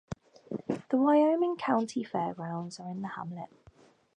The Wyoming County Fairgrounds are in the hamlet.